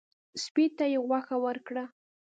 سپي ته یې غوښه ورکړه.